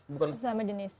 bukan sesama jenis